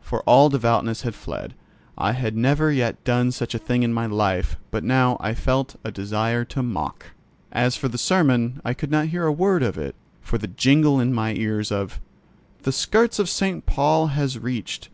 For all devoutness had fled. I had never yet done such a thing in my life, but now I felt a desire to mock. As for the sermon, I could not hear a word of it for the jingle in my ears of "The skirts of St. Paul has reached.